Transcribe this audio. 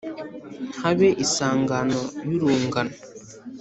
Habe isangano y'urungano